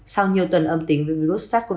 sau nhiều tuần âm tính với virus sars cov hai